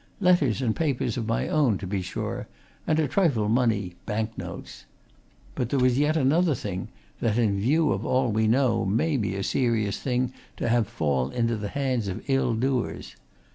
Letters and papers of my own, to be sure, and a trifle money bank notes. But there was yet another thing that, in view of all we know, may be a serious thing to have fall into the hands of ill doers.